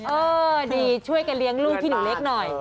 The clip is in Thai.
เออดีช่วยกันเลี้ยงลูกที่หนูเล็กหน่อย